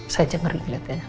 saya aja ngeri ngeliatnya